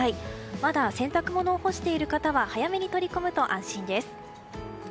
まだ洗濯物を干している方は早めに取り込むと安心です。